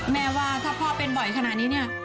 แม่ว่าถ้าพ่อเป็นบ่อยขนาดนี้เนี่ย